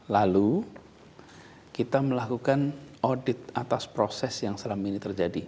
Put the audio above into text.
lalu kita melakukan audit atas proses yang selama ini terjadi